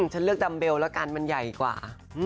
ฉันเลือกดำเบลแล้วกันมันใหญ่กว่า